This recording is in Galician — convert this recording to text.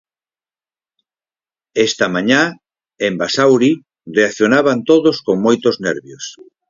Esta mañá, en Basauri, reaccionaban todos con moitos nervios.